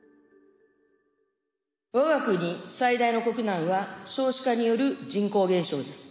我が国最大の国難は少子化による人口減少です。